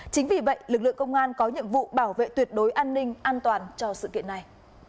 chính vì vậy lực lượng công an có nhiệm vụ bảo vệ tuyệt đối an ninh an toàn cho sự kiện này